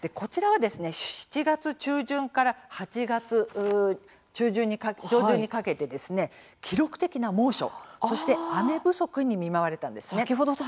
７月中旬から８月上旬にかけて記録的な猛暑、そして雨不足に見舞われたんです。